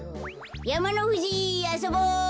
やまのふじあそぼ！